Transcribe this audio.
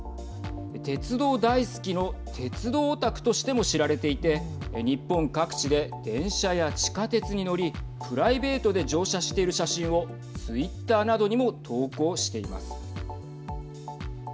鉄道大好きの鉄道オタクとしても知られていて日本各地で電車や地下鉄に乗りプライベートで乗車している写真をツイッターなどにも投稿しています。